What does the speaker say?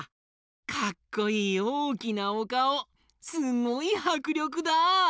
かっこいいおおきなおかおすごいはくりょくだ！